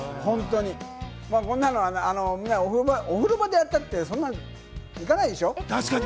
こんなのはお風呂場でやったってそんなにいかないでしょ。